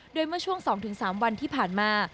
โดยเมื่อช่วง๒๓วันที่ผ่านมา